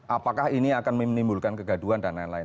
apakah ini akan menimbulkan kegaduan dan lain lain